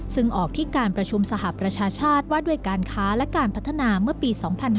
ซึ่งออกที่การประชุมสหประชาชาติว่าด้วยการค้าและการพัฒนาเมื่อปี๒๕๕๙